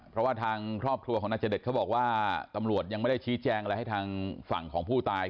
เพราะว่าทางครอบครัวของนายเจดเขาบอกว่าตำรวจยังไม่ได้ชี้แจงอะไรให้ทางฝั่งของผู้ตาย